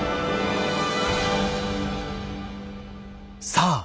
さあ